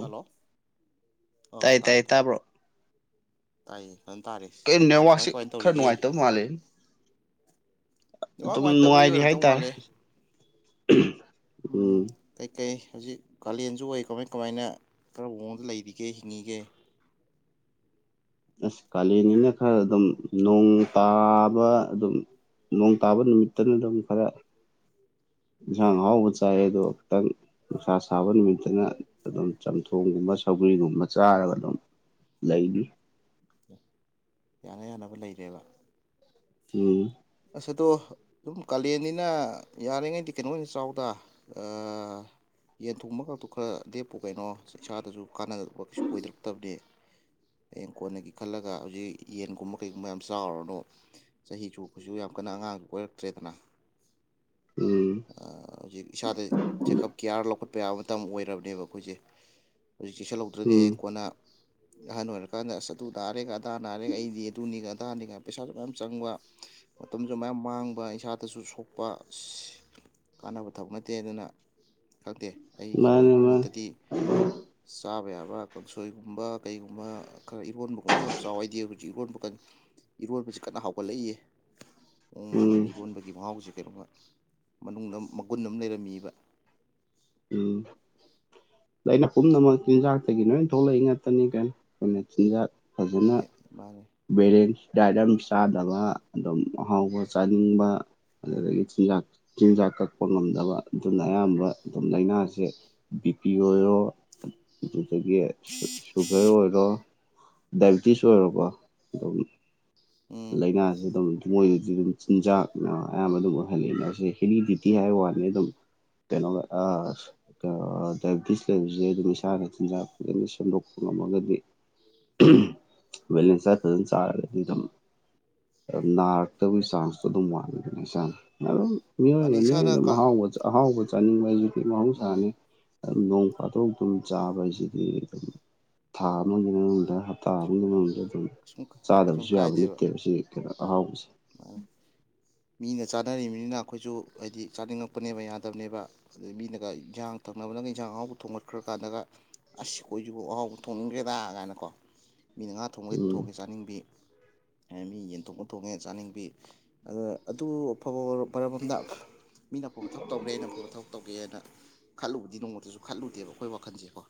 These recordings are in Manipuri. ꯍꯜꯂꯣ ꯑꯥ ꯇꯥꯏ ꯇꯥꯔꯦ ꯇꯥꯏ ꯇꯥꯔꯦ ꯇꯥꯕ꯭ꯔꯣ ꯇꯥꯏꯌꯦ ꯐꯖꯅ ꯇꯥꯔꯤ ꯀꯃꯥꯏ ꯀꯃꯥꯏꯅ ꯇꯧꯔꯤꯒꯦ ꯃꯥꯂꯦ ꯅꯨꯡꯋꯥ ꯅꯨꯡꯉꯥꯏꯇꯕꯒꯤ ꯅꯨꯡꯉꯥꯏꯔꯤ ꯑꯣꯏꯔꯕꯗꯧ ꯍꯥꯏꯇꯥꯔꯦ ꯃꯥꯠꯂꯦ ꯎꯝ ꯀꯩꯀꯩ ꯍꯧꯖꯤꯛ ꯀꯥꯂꯦꯟꯁꯨ ꯑꯣꯏ ꯀꯃꯥꯏ ꯀꯃꯥꯏꯅ ꯀꯔꯝꯕ ꯃꯑꯣꯡꯗ ꯂꯩꯔꯤꯒꯦ ꯍꯤꯡꯉꯒꯦ ꯑꯁ ꯀꯥꯂꯦꯟꯅꯤꯅ ꯈꯔ ꯑꯗꯨꯝ ꯅꯣꯡ ꯇꯥꯕ ꯑꯗꯨꯝ ꯅꯣꯡ ꯇꯥꯕ ꯅꯨꯃꯤꯠꯇꯅ ꯑꯗꯨꯝ ꯈꯔ ꯌꯦꯟꯁꯥꯡ ꯍꯥꯎꯕ ꯆꯥꯏ ꯑꯗꯨꯣ ꯑꯃꯨꯛꯇꯪ ꯅꯨꯡꯁꯥ ꯁꯥꯕ ꯅꯨꯃꯤꯠꯇꯅ ꯑꯗꯨꯝ ꯆꯝꯊꯣꯛ ꯊꯣꯡꯒꯨꯝꯕ ꯁꯧꯒꯔꯤꯒꯨꯝꯕ ꯆꯥꯔꯒ ꯑꯗꯨꯝ ꯂꯩꯅꯤ ꯌꯥꯅ ꯌꯥꯅꯕ ꯂꯩꯔꯦꯕ ꯎꯝ ꯑꯁ ꯑꯗꯣ ꯑꯗꯨꯝ ꯀꯥꯂꯦꯟꯅꯤꯅ ꯌꯥꯔꯤꯉꯩꯗꯤ ꯀꯩꯅꯣ ꯑꯣꯏꯅ ꯆꯥꯎꯗ ꯑ ꯌꯦꯟ ꯊꯣꯡꯕ ꯈꯇꯨ ꯈꯔ ꯂꯦꯞꯄꯨ ꯀꯩꯅꯣ ꯏꯁꯥꯗꯁꯨ ꯀꯥꯟꯅꯗꯕ ꯀꯩꯁꯨ ꯑꯣꯏꯗꯔꯛꯇꯕꯅꯤ ꯍꯌꯦꯡ ꯀꯣꯟꯅꯒꯤ ꯈꯜꯂꯒ ꯍꯧꯖꯤꯛ ꯌꯦꯟꯒꯨꯝꯕ ꯀꯩꯒꯨꯝꯕ ꯌꯥꯝ ꯆꯥꯎꯔꯅꯨ ꯆꯍꯤ ꯆꯨꯞꯄꯁꯨ ꯌꯥꯝ ꯀꯟꯅ ꯑꯉꯥꯡ ꯑꯣꯏꯔꯛꯇ꯭ꯔꯦꯗꯅ ꯎꯝ ꯍꯧꯖꯤꯛ ꯏꯁꯥꯗ ꯆꯦꯛꯑꯞ ꯀꯤꯌꯥꯔ ꯂꯧꯈꯠꯄ ꯌꯥꯕ ꯃꯇꯝ ꯑꯣꯏꯔꯕꯅꯦꯕ ꯑꯩꯈꯣꯏꯁꯦ ꯍꯧꯖꯤꯛꯤ ꯁꯜꯍꯧꯗ꯭ꯔꯗꯤ ꯍ ꯎꯝ ꯀꯣꯟꯅ ꯑꯍꯟ ꯑꯣꯏꯔꯀꯥꯟꯗ ꯑꯁ ꯑꯗꯨ ꯅꯥꯔꯦꯒ ꯑꯗꯥ ꯅꯥꯔꯦ ꯑꯩꯗꯤ ꯑꯗꯨꯅꯤꯒ ꯑꯗꯥꯅꯤꯒ ꯄꯩꯁꯥꯁꯨ ꯃꯌꯥꯝ ꯆꯪꯕ ꯃꯇꯝꯁꯨ ꯃꯌꯥꯝ ꯃꯥꯡꯕ ꯏꯁꯥꯗꯁꯨ ꯁꯣꯛꯄ ꯑ ꯀꯥꯟꯅꯕ ꯊꯕꯛ ꯅꯠꯇꯦ ꯑꯗꯨꯅ ꯈꯛꯇꯦ ꯑꯩꯒꯤ ꯃꯥꯅꯦ ꯑꯣꯏꯕ ꯃꯥꯅꯦ ꯃꯣꯠꯇꯗꯤ ꯆꯥꯕ ꯌꯥꯕ ꯀꯥꯡꯁꯣꯏꯒꯨꯝꯕ ꯀꯩꯒꯨꯝꯕ ꯈꯔ ꯏꯔꯣꯟꯕꯒꯨꯝꯕ ꯌꯥꯝ ꯆꯥꯎꯋꯏꯗꯤ ꯍꯧꯖꯤꯛ ꯏꯔꯣꯟꯕ ꯀ ꯏꯔꯣꯟꯕꯁꯤ ꯀꯟꯅ ꯍꯥꯎꯒꯠꯂꯛꯏꯌꯦ ꯃꯑꯣꯣꯡ ꯎꯝ ꯃꯥꯟꯗꯅ ꯏꯔꯣꯟꯕꯒꯤ ꯃꯍꯥꯎꯁꯦ ꯀꯩꯅꯒꯨꯝꯕ ꯃꯅꯨꯡꯗ ꯃꯒꯨꯟ ꯑꯃ ꯂꯩꯔꯝꯃꯤꯕ ꯎꯝ ꯑꯩꯅ ꯄꯨꯝꯅꯃꯛ ꯆꯤꯟꯖꯥꯛꯇꯒꯤ ꯂꯣꯏ ꯊꯣꯛꯂꯛꯏ ꯉꯥꯛꯇꯅꯤ ꯀꯩꯅꯣ ꯑꯩꯈꯅ ꯆꯤꯟꯖꯥꯛ ꯐꯖꯅ ꯃꯥꯅꯦ ꯕꯦꯂꯦꯟꯁ ꯗꯥꯏꯠ ꯑꯃ ꯆꯥꯗꯕ ꯑꯗꯨꯝ ꯑꯍꯥꯎꯕ ꯆꯥꯅꯤꯡꯕ ꯑꯗꯨꯗꯒꯤ ꯆꯤꯟꯖꯥꯛ ꯆꯤꯟꯖꯥꯛ ꯀꯛꯄ ꯉꯝꯗꯕ ꯑꯗꯨꯅ ꯑꯌꯥꯝꯕ ꯑꯗꯨꯝ ꯂꯥꯏꯅꯥꯁꯦ ꯕꯤ ꯄꯤ ꯑꯣꯏꯔꯣ ꯑꯗꯨꯗꯒꯤ ꯁꯨꯒꯔ ꯑꯣꯏꯔꯣ ꯗꯥꯏꯕꯤꯇꯤꯁ ꯑꯣꯏꯣꯔꯕ ꯑꯗꯨꯝ ꯎꯝ ꯂꯥꯏꯅꯥꯁꯤ ꯑꯗꯨꯝ ꯃꯣꯏꯗꯗꯤ ꯑꯗꯨꯝ ꯆꯤꯟꯖꯥꯛꯅ ꯑꯌꯥꯝꯕ ꯑꯗꯨꯝ ꯑꯣꯏꯍꯜꯂꯦꯅꯁꯦ ꯍꯦꯂꯤꯗꯤꯇꯤ ꯍꯥꯏꯕ ꯋꯥꯅꯤ ꯑꯗꯨꯝ ꯇꯅꯣ ꯑ ꯗꯥꯏꯕꯤꯦꯇꯤꯁ ꯂꯩꯕꯁꯦ ꯑꯗꯨꯝ ꯏꯁꯥꯅ ꯆꯤꯟꯖꯥꯛ ꯐꯖꯪꯅ ꯁꯦꯝꯗꯣꯛꯄ ꯉꯝꯃꯒꯗꯤ ꯂꯦꯟꯁꯔ ꯆꯔꯗꯝ ꯅꯥꯔꯛꯇꯕꯒꯤ ꯆꯥꯟꯁꯇꯣ ꯑꯗꯨꯝ ꯋꯥꯠꯂꯤꯗꯅꯤ ꯏꯁꯥꯅ ꯑꯗꯨꯝ ꯃꯥꯅꯦ ꯃꯤꯑꯣꯏꯕꯅꯤ ꯏꯁꯥꯅ ꯑꯗꯨꯝ ꯀ ꯑꯍꯥꯎꯕ ꯑꯍꯥꯎꯕ ꯆꯥꯅꯤꯡꯕ ꯍꯥꯏꯁꯨꯗꯤꯤ ꯃꯥꯅꯦ ꯃꯍꯧꯁꯥꯅꯤ ꯑꯗꯨ ꯅꯣꯡ ꯐꯥꯗꯣꯛ ꯑꯗꯨꯝ ꯆꯥꯕ ꯍꯥꯏꯁꯤꯗꯤ ꯑꯗꯨꯝ ꯊꯥ ꯑꯃꯒꯤ ꯃꯅꯨꯡꯗ ꯇꯥꯕꯒꯤꯗ ꯑꯗꯨꯝ ꯀꯩꯁꯨꯝ ꯀꯩꯁꯨꯝ ꯆꯥꯗꯕꯁꯨ ꯌꯥꯕ ꯀꯥꯏꯗꯦꯕ ꯅꯠꯇꯦꯕ ꯁꯤ ꯀꯩꯅꯣ ꯑꯍꯥꯎꯕꯁꯦ ꯃꯤꯅ ꯆꯥꯅꯔꯤꯕꯃꯤꯅꯤꯅ ꯑꯩꯈꯣꯏꯁꯨ ꯍꯥꯏꯗꯤ ꯆꯥꯅꯤꯡꯉꯛꯄꯅꯦꯕ ꯌꯥꯗꯕꯅꯦꯕ ꯑꯗꯩ ꯃꯤꯅꯒ ꯏꯟꯖꯥꯡ ꯊꯛꯅꯕꯅꯒ ꯏꯟꯖꯥꯡ ꯑꯍꯥꯎꯕ ꯊꯣꯡꯒꯠꯈ꯭ꯔꯀꯥꯟꯗꯒ ꯑꯁꯈꯣꯏꯁꯤꯕꯨ ꯑꯍꯥꯎꯕ ꯊꯣꯛꯣꯡꯅꯤꯡꯈ꯭ꯔꯦꯗ ꯀꯥꯏꯅ ꯀꯣ ꯃꯤꯅ ꯉꯥ ꯊꯣꯡꯕꯩ ꯎꯝ ꯊꯣꯡꯉꯦ ꯆꯥꯅꯤꯡꯕꯤ ꯃꯤ ꯌꯦꯟꯊꯣꯡꯕ ꯊꯣꯡꯉꯦ ꯆꯥꯅꯤꯡꯕꯤ ꯑ ꯑꯗꯨ ꯑꯐꯕ ꯃꯔꯝꯝꯗ ꯃꯤꯅ ꯑꯐꯕ ꯃꯊꯧ ꯇꯧꯈ꯭ꯔꯦꯅ ꯑꯐꯕ ꯃꯊꯧꯛ ꯇꯧꯒꯦꯅ ꯈꯠꯂꯨꯕꯗꯤ ꯅꯣꯡꯃꯇꯁꯨ ꯈꯜꯂꯨꯗꯦꯕ ꯑꯩꯈꯣꯏ ꯋꯥꯈꯜꯁꯦꯀꯣ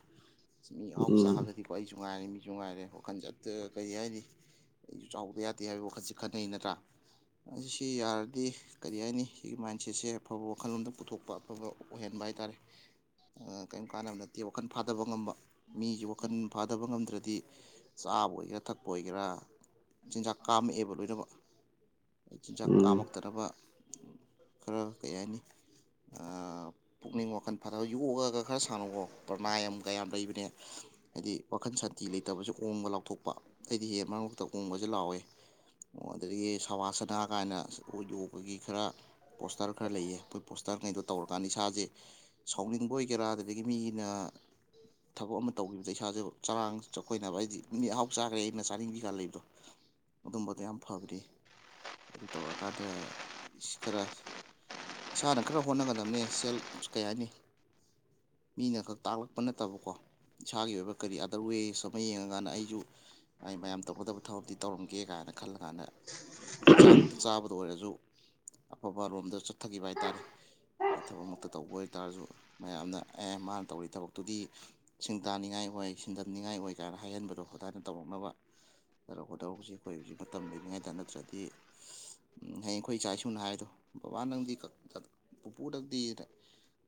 ꯃꯤ ꯑꯍꯥꯎ ꯎꯝ ꯆꯥꯔꯒꯗꯤ ꯍꯣꯏ ꯑꯩꯁꯨ ꯉꯥꯏꯔꯦ ꯃꯤꯁꯨ ꯉꯥꯏꯔꯦ ꯋꯥꯈꯜ ꯆꯠꯇꯒ ꯀꯔꯤ ꯍꯥꯏꯔꯤ ꯑꯩꯁꯨ ꯆꯥꯎꯕ ꯌꯥꯗꯦ ꯍꯥꯏꯕ ꯋꯥꯈꯜꯁꯦ ꯈꯟꯅꯩ ꯅꯠꯇ꯭ꯔꯥ ꯑꯁꯤꯁꯤ ꯌꯥꯔꯗꯤ ꯀꯔꯤ ꯍꯥꯏꯅꯤ ꯁꯤꯒꯤ ꯃꯥꯏꯟꯁꯦꯠꯁꯦ ꯑꯐꯕ ꯋꯥꯈꯜꯂꯣꯝꯗ ꯄꯨꯊꯣꯛꯄ ꯑꯐꯕ ꯑꯣꯏꯍꯟꯕ ꯍꯥꯏꯇꯥꯔꯦ ꯀꯔꯤꯝ ꯀꯥꯟꯅꯕ ꯅꯠꯇꯦ ꯋꯥꯈꯜ ꯐꯥꯗꯕ ꯉꯝꯕ ꯃꯤꯁꯤ ꯋꯥꯈꯜ ꯐꯥꯗꯕ ꯉꯝꯗ꯭ꯔꯗꯤ ꯆꯥꯕ ꯑꯣꯏꯒꯦꯔꯥ ꯊꯛꯄ ꯑꯣꯏꯒꯦꯔꯥ ꯆꯤꯟꯖꯥꯛ ꯀꯥꯝꯃꯛꯑꯦꯕ ꯂꯣꯏꯅꯃꯛ ꯆꯤꯟꯖꯥꯛ ꯎꯝ ꯀꯥꯝꯃꯛꯇꯅꯕ ꯈꯔ ꯀꯩ ꯍꯥꯏꯅꯤ ꯄꯨꯛꯅꯤꯡ ꯋꯥꯈꯜ ꯐꯥꯊꯕ ꯌꯣꯛꯑꯒ ꯈ ꯈꯔ ꯁꯥꯟꯅꯧꯋꯣ ꯄ꯭ꯔꯅꯥꯏ ꯌꯥꯝ ꯀꯌꯥꯝ ꯂꯩꯕꯅꯦ ꯍꯥꯏꯗꯤ ꯋꯥꯈꯜ ꯁꯥꯟꯇꯤ ꯂꯩꯇꯕꯁ ꯑꯣꯣꯡꯕ ꯂꯥꯎꯊꯣꯛꯄ ꯑꯩꯗꯤ ꯍꯦꯟꯅ ꯃꯔꯛ ꯃꯔꯛꯇ ꯑꯣꯣꯡꯕꯁꯦ ꯂꯥꯎꯏꯦ ꯌꯦ ꯁꯋꯥꯁꯥ ꯍꯥꯏꯥꯏꯅ ꯑꯣꯏꯗꯣꯕꯒꯤ ꯈꯔ ꯄꯣꯁꯇꯔ ꯈꯔ ꯂꯩꯌꯦ ꯑꯩꯈꯣꯏ ꯄꯣꯁꯇꯔꯉꯩꯗꯣ ꯇꯧꯔꯀꯥꯟꯗ ꯏꯁꯥꯁꯦ ꯁꯥꯎꯅꯤꯡꯕ ꯑꯣꯏꯒꯦꯔꯥ ꯑꯗꯨꯗꯒꯤ ꯃꯤꯅ ꯊꯕꯛ ꯑꯃ ꯇꯧꯕꯈꯤꯕꯗ ꯏꯁꯥꯁꯦ ꯆꯔꯥꯡ ꯆꯈꯣꯏꯅꯕ ꯍꯥꯏꯗꯤ ꯃꯤ ꯑꯍꯥꯎ ꯆꯥꯈ꯭ꯔꯦ ꯑꯩꯅ ꯆꯥꯅꯤꯡꯕꯤ ꯀꯥꯟ ꯂꯩꯕꯗꯣ ꯑꯗꯨꯝꯕꯗꯣ ꯌꯥꯝ ꯐꯕꯗꯤ ꯑꯗꯨ ꯇꯧꯔꯀꯥꯟꯗ ꯈꯔ ꯏꯁꯥꯅ ꯈꯔ ꯍꯣꯠꯅꯒꯗꯕꯅꯦ ꯁꯦꯜ ꯀꯩ ꯍꯥꯏꯅꯤ ꯃꯤꯅ ꯈꯛ ꯇꯥꯛꯂꯛꯄ ꯅꯠꯇꯕꯀꯣ ꯏꯁꯥꯒꯤ ꯑꯣꯏꯕ ꯀꯔꯤ ꯑꯗꯔ ꯋꯦꯁ ꯑꯃ ꯌꯦꯡꯉꯀꯥꯟꯗ ꯑꯩꯁꯨ ꯑꯩ ꯃꯌꯥꯝ ꯇꯧꯒꯗꯕ ꯊꯕꯛꯇꯗꯤ ꯇꯧꯔꯝꯒꯦ ꯀꯥꯏꯅ ꯈꯜꯂ ꯀꯥꯟꯗ ꯌꯦꯟꯁꯥꯡ ꯃꯛꯇ ꯆꯥꯕꯗ ꯑꯣꯏꯔꯁꯨ ꯑꯐꯕ ꯂꯣꯝꯗ ꯆꯠꯊꯈꯤꯕ ꯍꯥꯏꯇꯥꯔꯦ ꯊꯕꯛꯃꯛꯇ ꯇꯧꯕ ꯑꯣꯏꯇꯥꯔꯁꯨ ꯃꯌꯥꯝꯅ ꯑꯦ ꯃꯥꯅ ꯇꯧꯔꯤ ꯊꯕꯛꯇꯨꯗꯤ ꯁꯤꯡ ꯇꯥꯅꯤꯡꯉꯥꯏ ꯑꯣꯏ ꯁꯤꯟꯗꯅꯤꯡꯉꯥꯏ ꯑꯣꯏ ꯀꯥꯏꯅ ꯍꯥꯏꯍꯟꯕꯗꯣ ꯑꯗꯨꯗꯥꯥꯏꯅ ꯇꯧꯔꯝꯃꯅꯕ ꯇꯔꯧꯀꯗꯧ ꯍꯧꯖꯤꯛ ꯑꯩꯈꯣꯏ ꯍꯧꯖꯤꯛ ꯃꯇꯝ ꯂꯩꯔꯤꯉꯩꯗ ꯅꯠꯇ꯭ꯔꯗꯤ ꯍꯌꯦꯡꯈꯣꯏ ꯏꯆꯥ ꯏꯁꯨꯅ ꯍꯥꯏꯗꯣ ꯕꯕꯥ ꯅꯪꯗꯤ ꯄꯨꯄꯨꯗꯪꯗꯤ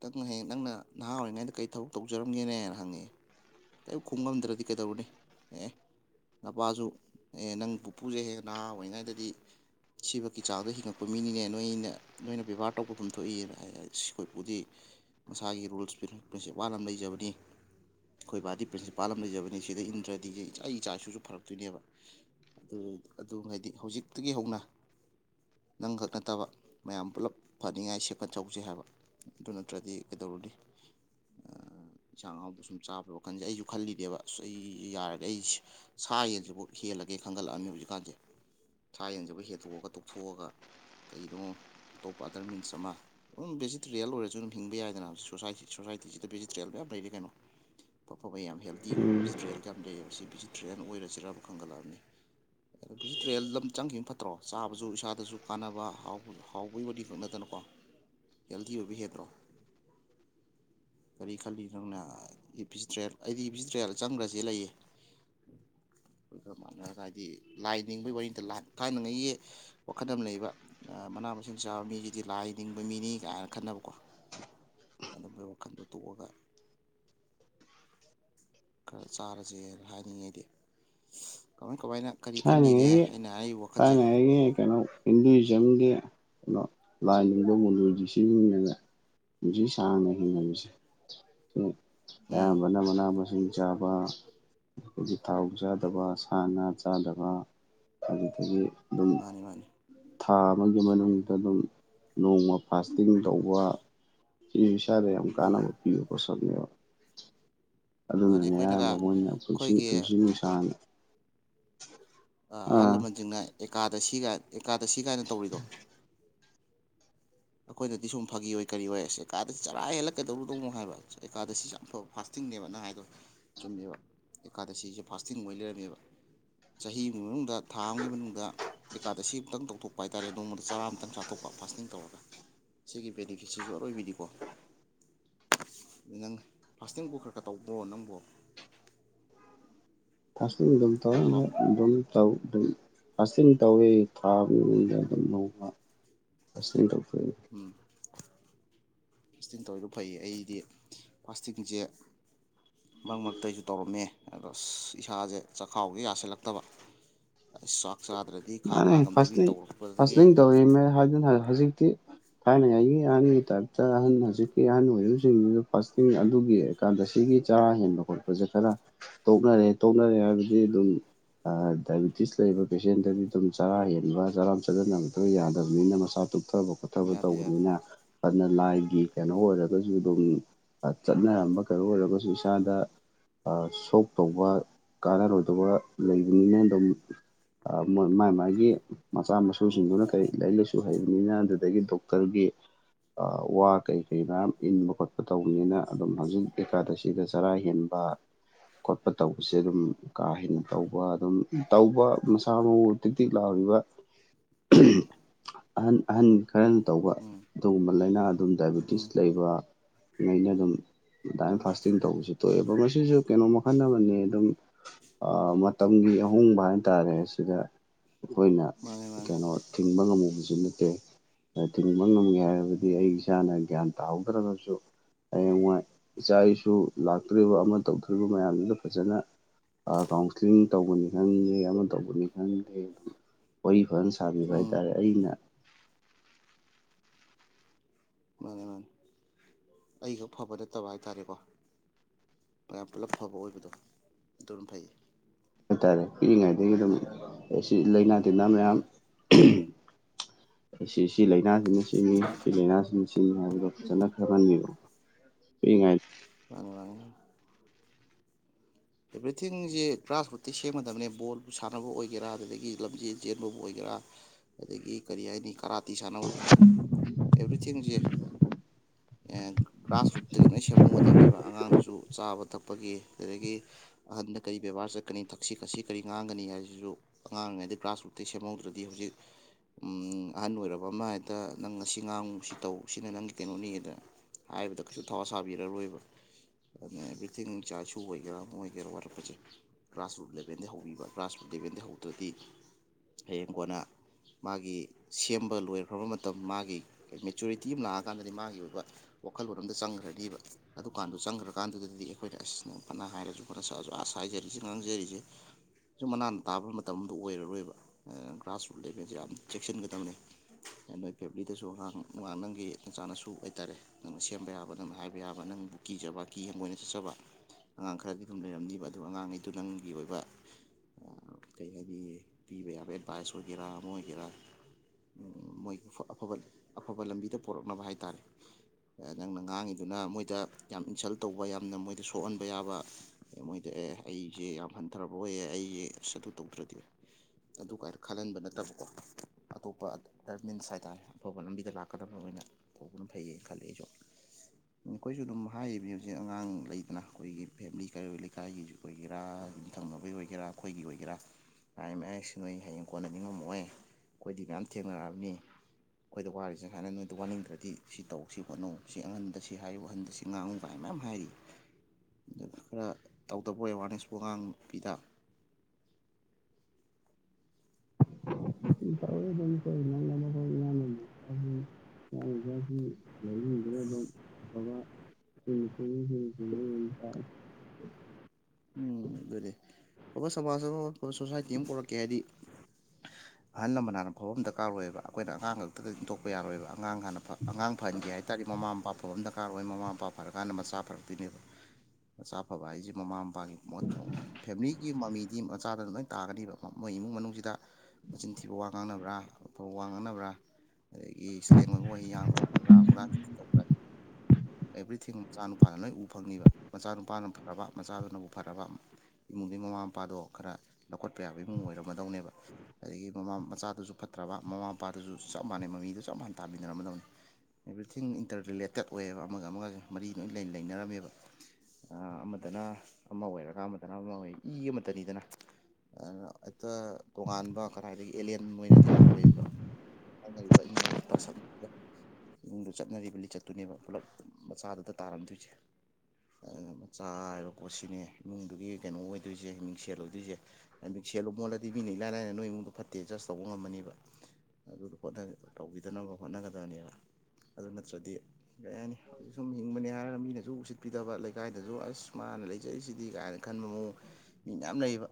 ꯅꯪ ꯍꯌꯦ ꯅꯪꯅ ꯅꯍꯥ ꯑꯣꯏꯔꯤꯉꯩꯗ ꯀꯩ ꯊꯕꯛ ꯇꯧꯖꯔꯝꯒꯦꯅꯦꯅ ꯍꯪꯉꯛꯦ ꯑꯩ ꯈꯣꯡꯉꯝꯗ꯭ꯔꯗꯤ ꯀꯩꯗꯧꯔꯅꯤ ꯑꯦ ꯅꯄꯥꯁꯨ ꯑꯦ ꯅꯪ ꯄꯨꯄꯨꯁꯦ ꯍꯦꯛ ꯅꯍꯥ ꯑꯣꯏꯔꯤꯉꯩꯗꯗꯤ ꯁꯤꯕꯒꯤ ꯆꯥꯡꯗ ꯍꯤꯡꯉꯛꯄ ꯃꯤꯅꯤꯅꯦ ꯅꯣꯏꯅ ꯅꯣꯏꯅ ꯕꯦꯕꯥꯔ ꯇꯧꯐꯝ ꯊꯣꯛꯏꯅ ꯁꯤꯕꯨꯗꯤ ꯃꯁꯥꯒꯤ ꯔꯨꯜꯁꯤꯡ [unintelligible] ꯋꯥꯜ ꯑꯃ ꯂꯩꯖꯕꯅꯤ ꯑꯩꯈꯣꯏ ꯕꯥꯗꯤ ꯄ꯭ꯔꯤꯟꯁꯤꯄꯥꯜ ꯑꯃ ꯂꯩꯖꯕꯅꯤ ꯁꯤꯗ ꯏꯟꯗ꯭ꯔꯗꯤꯁꯦ ꯏꯆꯥ ꯏꯆꯥ ꯏꯁꯨ ꯐꯔꯛꯇꯣꯏꯅꯦꯕ ꯑꯗꯨ ꯑꯗꯨ ꯍꯥꯏꯗꯤ ꯍꯧꯖꯤꯛꯇꯒꯤ ꯍꯧꯅ ꯅꯪꯈꯛ ꯅꯠꯇꯕ ꯃꯌꯥꯝ ꯄꯨꯜꯂꯞ ꯐꯅꯤꯡꯉꯥꯏ ꯁꯦꯀꯠꯆꯧꯁꯦ ꯍꯥꯏꯕ ꯑꯗꯨ ꯅꯠꯇ꯭ꯔꯗꯤ ꯀꯩꯗꯧꯔꯨꯅꯤ ꯏꯟꯆꯥꯥꯡ ꯑꯥꯎꯕ ꯁꯨꯝ ꯆꯥꯕ ꯋꯥꯈꯜꯁꯦ ꯑꯩꯁꯨ ꯈꯜꯂꯤꯅꯦꯕ ꯑꯁ ꯑꯩ ꯌꯥꯔꯗꯤ ꯑꯩꯁꯦ ꯁꯥ ꯌꯦꯟꯁꯤꯕꯨ ꯍꯦꯜꯂꯒꯦ ꯈꯟꯒꯠꯂꯛꯑꯕꯃꯤ ꯍꯧꯖꯤꯛꯀꯥꯟꯁꯦ ꯁꯥ ꯌꯦꯟꯁꯤꯕꯨ ꯍꯦꯜꯂꯦ ꯄꯨꯊꯣꯛꯑꯒ ꯇꯣꯛꯊꯣꯛꯑꯒ ꯀꯩꯅꯣ ꯑꯇꯣꯞꯄ ꯑꯗꯔ ꯃꯤꯟꯁ ꯑꯃ ꯑꯗꯨꯝ ꯚꯦꯖꯤꯇꯦꯔꯤꯌꯦꯜ ꯑꯣꯏꯔꯁꯨ ꯑꯗꯨꯝ ꯍꯤꯡꯕ ꯌꯥꯗꯅ ꯁꯣꯁꯥꯏꯇꯤ ꯁꯣꯁꯥꯏꯇꯤꯁꯤꯗ ꯚꯖꯤꯇꯔꯦꯜ ꯃꯌꯥꯝ ꯂꯩꯔꯤ ꯀꯩꯅꯣ ꯑꯐ ꯐꯕ ꯌꯥꯝ ꯍꯦꯜꯗꯤ ꯑꯣꯏꯕ ꯎꯝ ꯚꯤꯖꯤꯇ꯭ꯔꯦꯜ ꯌꯥꯝ ꯂꯩꯌꯦꯕ ꯁꯤ ꯕꯤꯖꯤ ꯇ꯭ꯔꯦꯟ ꯑꯣꯏꯔꯁꯤꯔꯕꯥꯎ ꯈꯟꯒꯠꯂꯛꯑꯝꯅꯤ ꯑꯗꯣ ꯕꯤꯖꯤꯠ ꯇ꯭ꯔꯦꯟ ꯂꯝ ꯆꯪꯈꯤꯕ ꯐꯠꯇ ꯅꯠꯇ꯭ꯔꯣ ꯆꯥꯕꯁꯨ ꯏꯁꯥꯗꯁꯨ ꯀꯥꯟꯅꯕ ꯍꯥꯎꯕꯒꯤꯕꯨꯗꯤ ꯈꯛ ꯅꯠꯇꯅꯀꯣ ꯍꯦꯜꯗꯤ ꯑꯣꯏꯕ ꯍꯦꯟꯗ꯭ꯔꯣ [inaudible] ꯀꯔꯤ ꯈꯜꯂꯤ ꯅꯪꯅ ꯕꯤꯖꯤꯇꯔꯦꯜ ꯑꯩꯗꯤ ꯕꯤꯖꯤꯇꯔꯦꯜ ꯆꯪꯈ꯭ꯔꯁꯦ ꯂꯩꯌꯦ ꯑꯩꯈꯣꯏ ꯈꯔ ꯃꯥꯟꯅꯔꯒ ꯍꯥꯏꯗꯤ ꯂꯥꯏ ꯅꯤꯡꯕꯒꯤ ꯋꯥꯔꯤ ꯅꯠꯇꯦ ꯊꯥꯏꯅꯉꯩꯒꯤ ꯋꯥꯈꯜ ꯑꯃ ꯂꯩꯕ ꯃꯅꯥ ꯃꯁꯤꯡ ꯆꯥꯕ ꯃꯤꯒꯤꯗꯤ ꯂꯥꯏ ꯅꯤꯡꯕ ꯃꯤꯅꯤ ꯀꯥꯏꯅ ꯈꯟꯅꯕꯀꯣ ꯑꯗꯨꯝꯕꯒꯤ ꯋꯥꯈꯜꯗꯣ ꯇꯣꯛꯑꯒ ꯈꯔ ꯆꯥꯔꯁꯦꯅ ꯍꯥꯏꯅꯤꯡꯉꯦ ꯑꯩꯗꯤ ꯀꯃꯥꯏ ꯀꯃꯥꯏꯅ ꯀꯔꯤ ꯈꯜꯂꯤꯒꯦ ꯑꯩꯅ ꯍꯥꯏꯔꯤ ꯊꯥꯏꯅꯉꯩ ꯉ ꯀꯩꯅꯣ ꯍꯤꯟꯗꯨꯏꯖꯝꯒꯤ ꯀꯩꯅꯣ ꯂꯥꯏꯅꯤꯡꯕ ꯃꯨꯅꯤ ꯔꯤꯁꯤ ꯖꯤꯟꯅꯒ ꯄꯨꯟꯁꯤ ꯁꯥꯥꯡꯅ ꯍꯤꯡꯂꯝꯃꯤꯁꯦ ꯎꯝ ꯎꯝ ꯑꯌꯥꯝꯕꯅ ꯃꯅꯥ ꯃꯁꯤꯡ ꯆꯥꯕ ꯑꯗꯒꯤ ꯊꯥꯎ ꯆꯥꯗꯕ ꯁꯥ ꯉꯥ ꯆꯥꯗꯕ ꯑꯗꯨꯗꯒꯤ ꯑꯗꯨꯝ ꯃꯥꯅꯤ ꯃꯥꯅꯤ ꯊꯥ ꯑꯃꯒꯤ ꯃꯅꯨꯡꯗ ꯑꯗꯨꯝ ꯅꯣꯡꯃ ꯐꯥꯁꯇꯤꯡ ꯇꯧꯕ ꯁꯤ ꯏꯁꯥꯗ ꯌꯥꯝ ꯀꯅꯥꯕ ꯎꯝ ꯄꯤꯕ ꯄꯣꯠꯁꯛꯅꯦꯕ ꯃꯥꯅꯦ ꯑꯗꯨꯅꯅꯦ ꯑꯩꯈꯣꯏꯅꯒ ꯑꯌꯥꯝꯕ ꯃꯣꯏꯅ ꯄꯨꯟ ꯑꯩꯈꯣꯏꯒꯤ ꯄꯨꯟꯁꯤ ꯅꯨꯡꯁꯥꯡꯅ ꯑ ꯑꯍꯜ ꯑꯥ ꯂꯃꯟꯁꯤꯡꯅ ꯑꯦꯀꯥ ꯗꯁꯤ ꯀꯥꯏ ꯑꯦꯀꯥꯗ ꯁꯤ ꯀꯥꯏꯅ ꯇꯧꯔꯤꯗꯣ ꯑꯩꯈꯣꯏꯗꯗꯤ ꯁꯨꯝ ꯐꯥꯒꯤ ꯑꯣꯏ ꯀꯔꯤ ꯑꯣꯏ ꯑꯁꯦ ꯑꯦꯀꯥꯗ ꯆꯔꯥ ꯍꯦꯜꯂꯛꯀꯩꯗꯔꯨꯗꯧꯅꯣ ꯍꯥꯏꯕ ꯑꯧꯀꯥꯗ ꯁꯤ ꯌꯥꯝ ꯐꯕ ꯐꯥꯁꯇꯤꯡꯅꯦꯕ ꯅꯪ ꯍꯥꯏꯕꯗꯣ ꯆꯨꯝꯃꯦꯕ ꯑꯦꯀꯥꯗꯁꯤꯁꯦ ꯐꯥꯁꯇꯤꯡ ꯑꯣꯏ ꯂꯩꯔꯝꯃꯦꯕ ꯆꯍꯤ ꯑꯃꯒꯤ ꯃꯅꯨꯡꯗ ꯊꯥ ꯑꯃꯒꯤ ꯃꯅꯨꯡꯗ ꯑꯦꯀꯥꯗꯁꯤ ꯑꯃꯨꯛꯇꯪ ꯇꯧꯊꯣꯛꯄ ꯍꯥꯏꯇꯥꯔꯦ ꯅꯣꯡꯃꯗ ꯆꯔꯥ ꯑꯃꯨꯇꯪ ꯆꯥꯊꯣꯛꯄ ꯐꯥꯁꯇꯤꯡ ꯇꯧꯔꯒ ꯁꯤꯒꯤ ꯕꯦꯅꯤꯐꯤꯠꯁꯤꯁꯨ ꯑꯔꯣꯏꯕꯤꯔꯤꯀꯣ ꯅꯪ ꯐꯥꯥꯁꯇꯤꯡ ꯕꯨ ꯈꯔ ꯈꯔ ꯇꯧꯕ꯭ꯔꯣ ꯅꯪꯕꯣ ꯐꯥꯁꯇꯤꯡ ꯑꯗꯨꯝ ꯇꯧ ꯍꯜꯂꯣ [unintelligible] [unintelligible] ꯑꯗꯨꯝ ꯐꯥꯁꯇꯤꯡ ꯇꯧꯋꯤ ꯊꯥ ꯃꯅꯨꯡꯗ ꯑꯗꯨꯝ ꯅꯣꯡꯃ [unintelligible] ꯐꯥꯁꯇꯤꯡ ꯇꯧꯔꯤꯗꯣ ꯐꯩꯌꯦ ꯑꯩꯗꯤ ꯐꯥꯁꯇꯤꯡꯁꯦ ꯃꯔꯛ ꯃꯔꯛꯇ ꯑꯩꯁꯨ ꯇꯧꯔꯝꯃꯦ ꯑꯗꯣ ꯏꯁꯥꯁꯦ ꯆꯈꯥꯎꯁꯦ ꯌꯥꯁꯤꯜꯂꯛꯇꯕ ꯑꯁ ꯆꯥꯛ ꯆꯥꯗ꯭ꯔꯗꯤ ꯈꯥꯡ ꯃꯥꯅꯦ ꯂꯥꯡꯉꯝꯗꯕꯤ ꯐꯥꯁꯇꯤꯡ ꯇꯧꯔꯛꯄꯗꯒꯤ ꯐꯥꯁꯇꯤꯡ ꯇꯧꯔꯝꯃꯦ ꯍꯥꯏꯗꯨꯅ ꯍꯧꯖꯤꯛꯇꯤ ꯊꯥꯏꯅ ꯉꯩꯒꯤ ꯑꯍꯟꯒꯤ ꯇꯥꯏꯞꯇ ꯑꯍꯟ ꯍꯧꯖꯤꯛꯀꯤ ꯑꯍꯟ ꯑꯣꯏꯔꯤꯕꯁꯤꯡꯗꯨꯗ ꯐꯥꯁꯇꯤꯡ ꯑꯗꯨꯒꯤ ꯑꯧꯀꯥꯗꯁꯤꯒꯤ ꯆꯥꯔꯥ ꯍꯦꯟꯕ ꯈꯣꯠꯄꯁꯦ ꯈꯔ ꯇꯣꯛꯅꯔꯦ ꯇꯣꯛꯅꯔꯦ ꯍꯥꯏꯕꯗꯤ ꯑꯗꯨꯝ ꯗꯥꯏꯕꯤꯇꯤꯁ ꯂꯩꯕ ꯄꯦꯁꯦꯟꯗꯗꯤ ꯑꯗꯨꯝ ꯆꯔꯥ ꯍꯦꯟꯕ ꯆꯔꯥ ꯆꯗꯠꯅꯕꯗꯣ ꯌꯥꯗꯕꯅꯤꯅ ꯃꯁꯥ ꯆꯣꯛꯊꯕ ꯈꯣꯠꯊꯕ ꯌꯥꯗꯦ ꯌꯥꯗꯦ ꯇꯧꯕꯅꯤꯅ ꯐꯅ ꯂꯥꯏꯒꯤ ꯀꯩꯅꯣ ꯎꯝ ꯑꯣꯏꯔꯒꯁꯨ ꯑꯗꯨꯝ ꯆꯠꯅꯔꯝꯕ [unintelligible] ꯑꯣꯏꯔꯒꯁꯨ ꯏꯁꯥꯗ ꯁꯣꯛ ꯇꯧꯕ ꯀꯥꯟꯅꯔꯣꯏꯗꯕ ꯂꯩꯕꯅꯤꯅ ꯑꯗꯨꯝ ꯑꯥ ꯃꯥꯏ ꯃꯥꯥꯏꯒꯤ ꯃꯆꯥ ꯃꯁꯨꯁꯤꯡꯗꯨꯅ ꯀꯔꯤ ꯂꯥꯏꯔꯤꯛ ꯂꯥꯏꯁꯨ ꯍꯩꯕꯅꯤꯅ ꯑꯗꯨꯗꯒꯤ ꯗꯣꯛꯇꯔꯒꯤ ꯋꯥ ꯀꯩ ꯀꯔꯤ ꯃꯌꯥꯝ ꯏꯟꯕ ꯈꯣꯠꯄ ꯇꯧꯕꯅꯤꯅ ꯑꯗꯨꯝ ꯍꯧꯖꯤꯛ ꯑꯦꯀꯥꯗꯁꯤꯗ ꯆꯔꯥ ꯍꯦꯟꯕ ꯈꯣꯠꯄ ꯇꯧꯕꯁꯦ ꯑꯗꯨꯝ ꯀꯥ ꯍꯦꯟꯅ ꯇꯧꯕ ꯑꯗꯨꯝ ꯇꯧꯕ ꯔꯇꯤꯛ ꯂꯥꯎꯔꯤꯕ ꯑꯍꯟ ꯑꯍꯟ ꯈꯔ ꯇꯧꯕ ꯎꯝ ꯑꯗꯨꯒꯨꯝꯕ ꯂꯥꯏꯅꯥ ꯑꯗꯨꯝ ꯗꯥꯏꯕꯤꯇꯤꯁ ꯎꯝ ꯂꯩꯕ ꯉꯩꯅ ꯑꯗꯨꯝ ꯗꯥꯏꯝ ꯎꯝ ꯐꯥꯁꯇꯤꯡ ꯇꯧꯕꯁꯨ ꯇ ꯊꯣꯛꯑꯦꯕ ꯃꯁꯤꯁꯨ ꯀꯩꯅꯣ ꯃꯈꯜ ꯑꯃꯅꯤ ꯑꯗꯨꯝ ꯃꯇꯝꯒꯤ ꯑꯍꯣꯡꯕ ꯍꯥꯏꯇꯥꯔꯦ ꯁꯤꯗ ꯑꯩꯈꯣꯏꯅ ꯃꯥꯅꯦ ꯃꯥꯅꯦ ꯀꯩꯅꯣ ꯊꯤꯡꯕ ꯉꯝꯃꯨꯕꯁꯨ ꯅꯠꯇꯦ ꯊꯤꯡꯕ ꯉꯝꯒꯦ ꯍꯥꯏꯔꯒꯗꯤ ꯑꯩ ꯎꯝ ꯏꯁꯥꯅ ꯒ꯭ꯌꯥꯟ ꯇꯥꯍꯗ꯭ꯔꯒꯁꯨ ꯍꯌꯦꯡꯋꯥꯏ ꯏꯆꯥ ꯏꯁꯨ ꯂꯥꯛꯇ꯭ꯔꯤꯕ ꯑꯃ ꯇꯧꯗꯣꯔꯤꯕ ꯃꯌꯥꯝꯗꯨꯗ ꯐꯖꯅ ꯀꯥꯎꯟꯁꯂꯤꯡ ꯇꯧꯕꯅꯤ ꯈꯪꯗꯦ ꯑꯃ ꯇꯧꯕꯅꯤ ꯈꯪ ꯋꯥꯔꯤ ꯐꯖꯅ ꯁꯥꯕꯤꯕ ꯎꯝ ꯍꯥꯏꯇꯥꯔꯦ ꯑꯩꯅ ꯃꯥꯅꯦ ꯃꯥꯅꯦ ꯑꯩꯈꯛ ꯐꯕ ꯅꯠꯇꯕ ꯍꯥꯏꯇꯥꯔꯦꯀꯣ ꯃꯌꯥꯝ ꯄꯨꯂꯞ ꯐꯕ ꯑꯣꯏꯕꯗꯣ ꯑꯗꯨꯝ ꯐꯩꯌꯦ ꯍꯥꯏꯇꯥꯔꯦ ꯄꯤꯛꯉꯩꯗꯒꯤ ꯑꯗꯨꯝ ꯂꯩꯥꯏꯅꯥ ꯇꯤꯟꯅꯥ ꯃꯌꯥꯝ ꯎꯝ ꯑꯁꯤ ꯁꯤ ꯂꯥꯏꯅꯥꯁꯤꯅ ꯎꯝ ꯁꯤꯅꯤ ꯑꯩ ꯂꯥꯏꯅꯥꯁꯤꯡ ꯁꯤꯅꯤ ꯍꯥꯏꯕꯗꯣ ꯐꯖꯅ ꯈꯪꯍꯟꯕꯤꯌꯣ ꯄꯤꯛꯑꫯꯉꯥꯏ ꯃꯥꯅꯦ ꯃꯥꯅꯦ ꯑꯦꯕ꯭ꯔꯤꯊꯤꯡꯁꯦ ꯒ꯭ꯔꯥꯁꯋꯨꯠꯇꯤ ꯁꯦꯝꯒꯗꯕꯅꯦ ꯕꯣꯜꯕꯨ ꯁꯥꯟꯅꯕ ꯑꯣꯏꯒꯦꯔꯥ ꯑꯗꯨꯗꯒꯤ ꯂꯝꯖꯦꯜ ꯆꯦꯟꯕꯕꯨ ꯑꯣꯏꯒꯦꯔꯥ ꯑꯗꯒꯤ ꯀꯔꯤ ꯍꯥꯏꯅꯤ ꯀꯔꯥꯇꯤ ꯁꯥꯟꯅꯕ ꯑꯦꯕ꯭ꯔꯤꯊꯤꯡꯁꯦ ꯑꯦ ꯒ꯭ꯔꯥꯁꯔꯨꯠꯇꯒꯤ ꯂꯣꯏ ꯁꯦꯝꯍꯧꯒꯗꯕꯅꯦꯕ ꯑꯉꯥꯡꯗꯨꯁꯨ ꯆꯥꯕ ꯊꯛꯄꯒꯤ ꯑꯗꯨꯗꯒꯤ ꯑꯍꯟꯗ ꯀꯔꯤ ꯕꯦꯕꯥꯔ ꯆꯠꯀꯅꯤ ꯊꯛꯁꯤ ꯈꯥꯁꯤ ꯀꯔꯤ ꯉꯥꯡꯒꯅꯤ ꯍꯥꯏꯕꯁꯤꯁꯨ ꯑꯉꯥꯡꯑꫭꯏꯔꯤ ꯉꯩꯗꯒꯤ ꯀ꯭ꯂꯥꯁ ꯔꯨꯠꯇꯒꯤ ꯁꯦꯝꯍꯧꯗ꯭ꯔꯗꯤ ꯍꯧꯖꯤꯛ ꯑꯍꯟ ꯑꯣꯏꯔꯕ ꯑꯃ ꯍꯦꯛꯇ ꯅꯪ ꯉꯁꯤ ꯉꯥꯡꯉꯨ ꯁꯤ ꯇꯧ ꯁꯤꯅ ꯅꯪꯒꯤ ꯀꯩꯅꯣꯅꯤꯗꯅ ꯍꯥꯏꯕꯗ ꯀꯩꯁꯨ ꯊꯋꯥ ꯁꯥꯕꯤꯔꯔꯣꯏꯕ ꯑꯗꯨꯅ ꯑꯦꯚ꯭ꯔꯤꯊꯤꯡ ꯏꯆꯥ ꯏꯁꯨ ꯑꯣꯏꯒꯦꯔꯥ ꯃ ꯑꯣꯏꯒꯦꯔꯥ ꯋꯥꯔꯛꯄꯁꯦ ꯒꯥꯁꯔꯨꯠ ꯂꯦꯚꯦꯟꯗꯩ ꯍꯧꯕꯤꯕ ꯒ꯭ꯔꯥꯁ ꯔꯨꯠ ꯂꯦꯚꯦꯟꯗꯩ ꯍꯧꯗ꯭ꯔꯗꯤ ꯍꯌꯦꯡ ꯀꯣꯟꯅ ꯃꯥꯒꯤ ꯁꯦꯝꯕ ꯂꯣꯏꯈ꯭ꯔꯕ ꯃꯇꯝ ꯃꯥꯒꯤ ꯃꯦꯆꯨꯔꯤꯇꯤ ꯑꯃ ꯂꯥꯛꯑꯀꯥꯟꯗꯗꯤ ꯃꯥꯒꯤ ꯑꯣꯏꯕ ꯋꯥꯈꯜꯂꯣꯟ ꯑꯝꯇ ꯆꯪꯈ꯭ꯔꯅꯦꯕ ꯑꯗꯨꯀꯥꯟꯗꯁꯨ ꯆꯪꯈ꯭ꯔꯀꯥꯟꯗꯨꯗꯗꯤ ꯑꯩꯈꯣꯏꯗ ꯑꯁ ꯐꯅ ꯍꯥꯏꯔꯁꯨ ꯑꯩꯈꯣꯏꯅ ꯁꯥꯁꯨ ꯑꯥꯁ ꯍꯥꯏꯖꯔꯤꯁꯦ ꯉꯥꯡꯖꯔꯤꯁꯦ ꯁꯨꯝ ꯃꯅꯥꯟ ꯇꯥꯕ ꯃꯇꯝꯗ ꯑꯣꯏꯔꯔꯣꯏꯕ ꯒ꯭ꯔꯥꯁꯔꯨꯠ ꯂꯦꯚꯦꯜꯁꯦ ꯌꯥꯝ ꯆꯦꯛꯁꯤꯟꯒꯗꯕꯅꯤ ꯅꯣꯏ ꯐꯦꯃꯤꯂꯤꯗꯁꯨ ꯑꯉꯥꯡ ꯑꯉꯥꯡ ꯅꯪꯒꯤ ꯅꯆꯥꯅꯁꯨ ꯑꯣꯏꯇꯥꯔꯦ ꯅꯪꯅ ꯁꯦꯝꯕ ꯌꯥꯕ ꯅꯪꯅ ꯍꯥꯏꯕ ꯌꯥꯕ ꯅꯪꯕꯨ ꯀꯤꯖꯕ ꯀꯤ ꯌꯦꯡꯕ ꯑꯣꯏꯅ ꯆꯠꯆꯕ ꯑꯉꯥꯡ ꯈꯔꯗꯤ ꯑꯗꯨꯝ ꯂꯩꯔꯝꯗꯕ ꯑꯗꯨꯒꯣ ꯑꯉꯥꯡꯉꯩꯗꯨ ꯅꯪꯒꯤ ꯑꯣꯏꯕ ꯀꯩ ꯍꯥꯏꯗꯤ ꯄꯤꯕ ꯌꯥꯕ ꯑꯦꯗꯚꯥꯏꯁ ꯑꯣꯏꯒꯦꯔꯥ ꯑꯃ ꯑꯣꯏꯒꯦꯔꯥ ꯃꯣꯏꯒꯤ ꯑꯐꯕ ꯑꯐꯕ ꯂꯝꯕꯤꯗ ꯄꯣꯔꯛꯅꯕ ꯍꯥꯏꯇꯥꯥꯔꯦ ꯅꯪꯅ ꯉꯥꯡꯉꯤꯗꯨꯅ ꯃꯣꯏꯗ ꯌꯥꯝ ꯏꯟꯁꯜ ꯇꯧꯕ ꯌꯥꯝꯅ ꯃꯣꯏꯗ ꯁꯣꯛꯍꯟꯕ ꯌꯥꯕ ꯑꯦ ꯃꯣꯏꯗ ꯑꯦ ꯑꯩꯁꯦ ꯌꯥꯝ ꯍꯟꯊꯔꯕ ꯑꯩꯁꯦ ꯑꯁ ꯑꯗꯨ ꯇꯧꯗ꯭ꯔꯗꯤ ꯑꯗꯨ ꯀꯥꯏꯅ ꯈꯜꯍꯟꯕ ꯅꯠꯇꯕꯀꯣ ꯑꯇꯣꯞꯄ ꯗꯁ ꯃꯤꯟꯁ ꯍꯥꯏꯇꯥꯔꯦ ꯑꯐꯕ ꯂꯝꯕꯤꯗ ꯂꯥꯛꯀꯗꯕ ꯑꯣꯏꯅ ꯇꯧꯕꯅ ꯐꯩꯌꯦꯅ ꯈꯜꯂ ꯑꯩꯁꯨ ꯑꯩꯈꯣꯏꯁꯨ ꯑꯗꯨꯝ ꯍꯥꯏꯔꯤꯕꯅꯤ ꯍꯧꯖꯤꯛ ꯑꯉꯥꯡ ꯂꯩꯗꯅ ꯑꯩꯈꯣꯏꯒꯤ ꯐꯦꯃꯤꯂꯤ ꯀꯩ ꯂꯩꯀꯥꯏꯒꯤ ꯑꯣꯏꯒꯦꯔꯥ ꯌꯨꯝ ꯊꯪꯅꯕꯒꯤ ꯑꯣꯏꯒꯦꯔꯥ ꯑꯩꯈꯣꯏꯒꯤ ꯑꯣꯏꯒꯦꯔꯥ ꯅꯣꯏ ꯍꯌꯦꯡ ꯀꯣꯟꯅ ꯅꯤꯡꯉꯝꯃꯛꯑꫭꯏ ꯑꯩꯈꯣꯏꯗꯤ ꯃꯌꯥꯝ ꯊꯦꯡꯅꯔꯛꯑꯕꯅꯤ ꯑꯩꯈꯣꯏꯗ ꯋꯥꯔꯤꯕ ꯁꯨꯃꯥꯏ ꯍꯥꯏꯅ ꯅꯣꯏꯗ ꯋꯥꯅꯤꯡꯗ꯭ꯔꯗꯤ ꯁꯤ ꯇꯧ ꯁꯤ ꯍꯣꯠꯅꯧ ꯁꯤ ꯑꯉꯥꯡꯗ ꯁꯤ ꯍꯥꯏꯌꯨ ꯑꯍꯟꯗ ꯉꯥꯡꯉꯨ ꯀꯥꯏꯅ ꯃꯌꯥꯝ ꯍꯥꯏꯔꯤ ꯑꯗꯨ [inaudible] ꯈꯔ ꯇꯧꯗꯕꯨ ꯑꯦꯋꯥꯔꯅꯦꯁꯄꯨ ꯑꯉꯥꯡ ꯅꯨꯄꯤꯗ [inaudible] ꯎꯝ [unintelligible] ꯑꯗꯨꯝ ꯑꯐꯕ ꯎꯝ ꯑꯗꯨꯗꯤ ꯑꯣꯏ ꯁꯃꯥꯖ ꯑꯃ ꯁꯣꯁꯥꯏꯇꯤ ꯑꯃ ꯄꯨꯔꯛꯀꯦ ꯍꯥꯏꯗꯤ ꯑꯍꯜ ꯂꯃꯟꯅ ꯐꯕꯐꯝ ꯑꯃ ꯉꯥꯡꯉꯣꯏꯕ ꯑꯩꯈꯣꯏꯅ ꯑꯉꯥꯡ ꯉꯛꯇꯗ ꯏꯊꯣꯛ ꯌꯥꯔꯣꯏꯕ ꯑꯉꯥꯡ ꯍꯥꯟꯅ ꯑꯉꯥꯡ ꯐꯍꯟꯒꯦ ꯍꯥꯏꯇꯥꯔꯦ ꯃꯃꯥ ꯃꯄꯥ ꯑꯕ ꯑꯃ ꯗꯔꯀꯥꯔ ꯑꯣꯏ ꯃꯃꯥ ꯃꯄꯥ ꯐꯔ ꯀꯥꯟꯗ ꯃꯆꯥ ꯐꯔꯛꯇꯣꯏꯅꯦꯕ ꯃꯆꯥ ꯐꯕ ꯍꯥꯏꯁꯦ ꯃꯃꯥ ꯃꯄꯥ ꯃꯄꯥꯒꯤ ꯐꯦꯃꯤꯂꯤꯒꯤ ꯃꯃꯤꯗꯤ ꯃꯆꯥꯗꯅ ꯂꯣꯏ ꯇꯥꯒꯅꯦꯕ ꯃꯣꯏ ꯏꯃꯨꯡ ꯃꯅꯨꯡꯁꯤꯗ ꯃꯆꯤꯟ ꯊꯤꯕ ꯋꯥ ꯉꯥꯡꯅꯕ꯭ꯔꯥ ꯑꯐꯐꯕ ꯋꯥ ꯉꯥꯡꯅꯕ꯭ꯔꯥ ꯑꯗꯒꯤ ꯁꯂꯦꯟ ꯑꯣꯏꯕ ꯃꯍꯩ ꯌꯥꯝꯕꯥꯡꯥꯟꯠꯄ ꯑꯦꯕ꯭ꯔꯤꯊꯤꯡ ꯃꯆꯥ ꯅꯨꯨꯄꯥꯅ ꯂꯣꯏ ꯎ ꯐꯪꯅꯤꯕ ꯃꯆꯥ ꯅꯨꯨꯄꯥꯅ ꯐꯔꯕ ꯃꯆꯥꯗꯨꯅꯕꯨ ꯐꯔꯕ ꯑꯃ ꯏꯃꯨꯡꯗꯒꯤ ꯃꯃꯥ ꯃꯄꯥꯗꯣ ꯈꯔ ꯂꯧꯈꯠꯄ ꯌꯥꯕ ꯏꯃꯨꯡ ꯑꯣꯏꯔꯝꯃꯗꯧꯅꯦꯕ ꯑꯗꯒꯤ ꯃꯃꯥ ꯃꯆꯥꯗꯨꯁꯨ ꯐꯠꯇ꯭ꯔꯕ ꯃꯃꯥ ꯃꯄꯥꯗꯨꯁꯨ ꯆꯞ ꯃꯥꯟꯅꯩ ꯃꯃꯤꯗꯨ ꯆꯞ ꯃꯥꯟꯅ ꯇꯥꯃꯤꯟꯅꯔꯝꯗꯕꯅꯤ ꯑꯦꯕ꯭ꯔꯤꯊꯤꯡ ꯏꯟꯇꯔ ꯔꯤꯂꯦꯇꯦꯠ ꯑꯣꯏꯌꯦꯕ ꯑꯃꯒ ꯑꯃꯒꯁꯦ ꯃꯔꯤ ꯂꯣꯏ ꯂꯩ ꯂꯩꯅꯔꯝꯃꯦꯕ ꯑꯃꯗꯅ ꯑꯃ ꯑꯣꯏꯔꯒ ꯑꯃꯗꯅ ꯑꯃ ꯑꯣꯏꯔ ꯏ ꯑꯃꯇꯅꯤꯗꯅ ꯑꯗꯨꯅ ꯍꯦꯛꯇ ꯇꯣꯉꯥꯟꯕ ꯀꯗꯥꯏꯗꯒꯤ ꯑꯦꯂꯦꯟ ꯑꯣꯏꯅꯗꯤ ꯂꯥꯛꯑꯣꯏꯕ ꯆꯠꯅꯔꯤꯕ ꯏꯃꯨꯡꯗꯨ ꯄꯥꯎꯁꯛ ꯏꯃꯨꯡꯗ ꯆꯠꯅꯔꯤꯕ ꯂꯤꯆꯠ ꯇꯨꯅꯦꯕ ꯄꯨꯂꯞ ꯃꯆꯥꯗꯨꯗ ꯇꯥꯔꯝꯗꯣꯏꯁꯦ ꯃ ꯄꯣꯠ ꯁꯤꯅꯦ ꯏꯃꯨꯡꯗꯨꯒꯤ ꯀꯩꯅꯣ ꯑꯣꯏꯗꯣꯏꯁꯦ ꯃꯤꯡ ꯁꯦꯜ ꯑꯣꯏꯗꯣꯏꯁꯦ ꯍꯥꯏ ꯃꯤꯛ ꯁꯦꯜꯂꯨꯣꯂꯗꯤ ꯃꯤꯅ ꯏꯂꯥꯏꯅ ꯅꯣꯏ ꯏꯉꯨꯡꯗ ꯐꯠ ꯇꯤꯠꯖꯁ ꯇꯧꯕ ꯉꯝꯃꯅꯤꯕ ꯑꯗꯨꯗ ꯇꯧꯕꯤꯗꯅꯕ ꯍꯣꯠꯅꯒꯗꯕꯅꯦꯕ ꯑꯗꯨ ꯅꯠꯇ꯭ꯔꯗꯤ ꯀꯩ ꯍꯥꯏꯅꯤ ꯍꯧꯖꯤꯛ ꯁꯨꯝ ꯍꯤꯡꯕꯅꯤ ꯍꯥꯏꯔꯒ ꯃꯤꯅꯁꯨ ꯎꯁꯤꯠꯄꯤꯗꯕ ꯂꯩꯀꯥꯏꯗꯁꯨ ꯑꯁ ꯃꯥꯅ ꯂꯩꯖꯔꯤꯁꯤꯗꯤ ꯀꯥꯏꯅ ꯈꯟꯕ ꯃꯑꯣꯡ ꯃꯤ ꯃꯌꯥꯝ ꯂꯩꯕ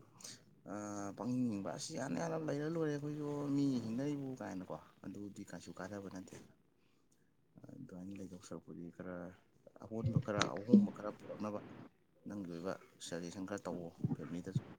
ꯄꯪꯅꯤꯡꯅꯤꯡꯕ ꯑꯁꯤ ꯌꯥꯝꯥꯟ ꯍꯥꯟ ꯂꯩꯔ ꯂꯣꯏꯔꯦ ꯑꯩꯈꯣꯏꯁꯨ ꯃꯤ ꯍꯤꯡꯅꯔꯤꯕ ꯀꯥꯏꯅꯀꯣ ꯑꯗꯨꯗꯤ ꯀꯩꯁꯨ ꯀꯥꯗꯕ ꯅꯠꯇꯦ ꯑꯗꯨꯥꯏꯅ ꯂꯩꯊꯣꯛꯆꯔꯛꯄꯗꯤ ꯈꯔ ꯑꯑꯣꯟꯕ ꯈꯔ ꯑꯍꯣꯡꯕ ꯈꯔ ꯄꯨꯔꯛꯅꯕ ꯅꯪꯒꯤ ꯑꯣꯏꯕ ꯁꯖꯦꯁꯟ ꯈꯔ ꯇꯧꯋꯣ ꯐꯦꯃꯤꯂꯤꯗꯁꯨ